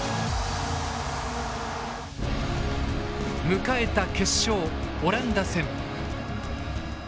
迎えた決勝オランダ戦。